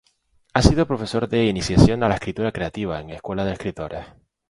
Ha sido profesor de "Iniciación a la escritura creativa" en la Escuela de Escritores.